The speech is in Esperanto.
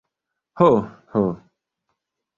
Ho, ho!